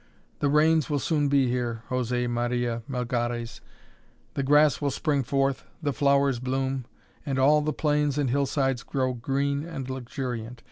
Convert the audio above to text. The rains will soon be here, José Maria Melgares, the grass will spring forth, the flowers bloom, and all the plains and hillsides grow green and luxuriant.